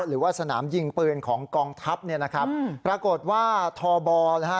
หรือว่าสนามยิงปืนของกองทัพเนี่ยนะครับปรากฏว่าทบนะฮะ